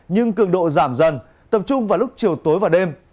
nhưng cường độ giảm dần tập trung vào lúc chiều tối và đêm